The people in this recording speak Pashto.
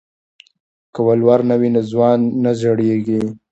که ولور نه وي نو ځوان نه زړیږي.